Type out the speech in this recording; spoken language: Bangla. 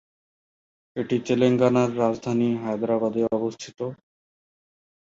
এটি তেলেঙ্গানার রাজধানী হায়দ্রাবাদে অবস্থিত।